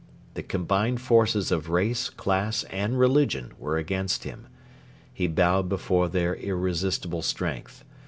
The combined forces of race, class, and religion were against him. He bowed before their irresistible strength.